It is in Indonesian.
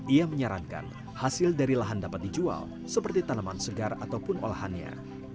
ia menyarankan hasil dari lahan dapat dijual seperti tanaman segar ataupun olahannya